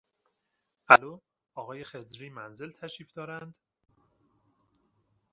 الو، آقای خضری منزل تشریف دارند؟